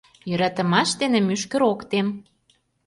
Йӧратымаш дене мӱшкыр ок тем.